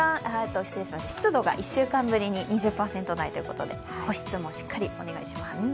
湿度が１週間ぶりに２０％台ということで保湿もしっかりお願いします。